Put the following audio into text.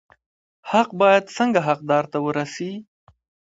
حق باید څنګه حقدار ته ورسي؟